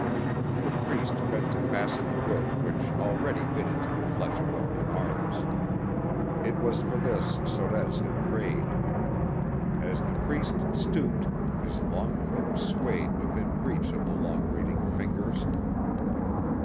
The Priest bent to fasten the rope which already bit into the flesh above the arms. It was for this Sorez had prayed. As the Priest stooped, his long coat swayed within reach of the long waiting fingers.